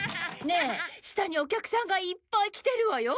ねえ下にお客さんがいっぱい来てるわよ。